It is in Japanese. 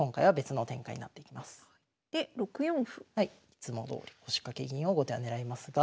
いつもどおり腰掛け銀を後手は狙いますが。